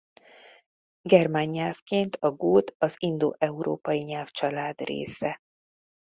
Germán nyelvként a gót az indo-európai nyelvcsalád része.